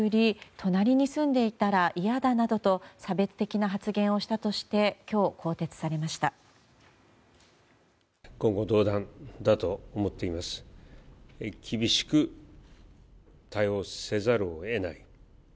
隣に住んでいたら嫌だなどと差別的な発言をしたとして今日、更迭されました。